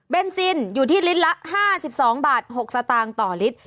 เป็นซินอยู่ที่ลิตรละ๕๒บาท๖สตางค์ต่อลิตร